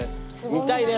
見たいね。